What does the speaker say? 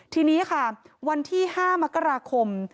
ทีนี้ค่ะวันที่๕มกราคม